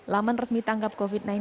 laman resmi tanggap covid sembilan belas